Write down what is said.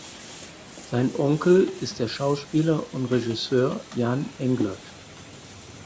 Sein Onkel ist der Schauspieler und Regisseur Jan Englert.